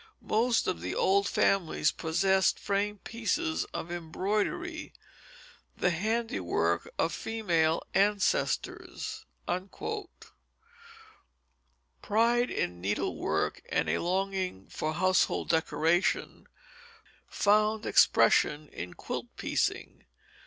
Most of the old families possessed framed pieces of embroidery, the handiwork of female ancestors." Pride in needlework, and a longing for household decoration, found expression in quilt piecing.